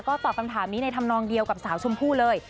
ตอบคำถามนี้ในธรรมนองเดียวกับสาวชมพู่เลย